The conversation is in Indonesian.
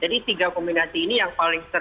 jadi tiga kombinasi ini yang paling penting